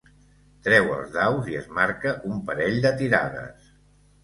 Treu els daus i es marca un parell de tirades.